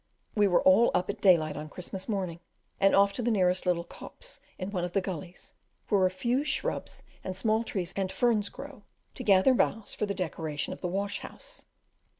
We were all up at daylight on Christmas morning, and off to the nearest little copse in one of the gullies, where a few shrubs and small trees and ferns grow, to gather boughs for the decoration of the washhouse.